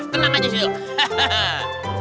tenang aja sih tuh